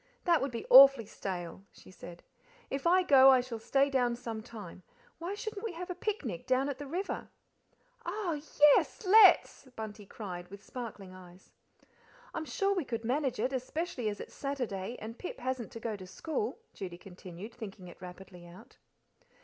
"That would be awfully stale," she said. "If I go, I shall stay down some time. Why shouldn't we have a picnic down at the river?" "Oh, yes, let's!" Bunty cried, with sparkling eyes. "I'm sure we could manage it especially as it's Saturday, and Pip hasn't to go to school," Judy continued, thinking it rapidly out.